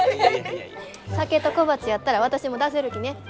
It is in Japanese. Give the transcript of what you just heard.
酒と小鉢やったら私も出せるきね。